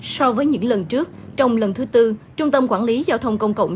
so với những lần trước trong lần thứ tư trung tâm quản lý giao thông công cộng